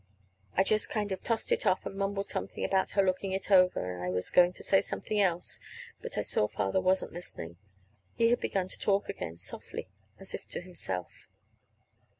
I just kind of tossed it off, and mumbled something about her looking it over; and I was going to say something else, but I saw that Father wasn't listening. He had begun to talk again, softly, as if to himself.